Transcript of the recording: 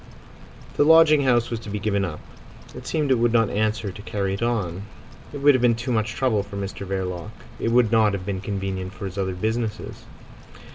The lodging house was to be given up. It seems it would not answer to carry it on. It would have been too much trouble for Mr Verloc. It would not have been convenient for his other business.